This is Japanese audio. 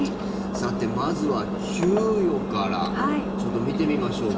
さて、まずは給与からちょっと見てみましょうか。